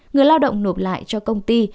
người lao động nộp lại cho công ty